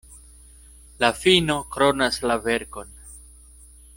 La fino kronas la verkon.